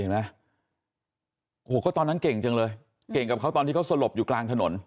เห็นไหมโอ้โหก็ตอนนั้นเก่งจังเลยเก่งกับเขาตอนที่เขาสลบอยู่กลางถนน